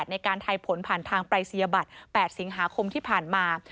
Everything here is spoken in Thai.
ในการทายผลผ่านทางปรายศนียบัตร๘สิงหาคมที่ผ่านมา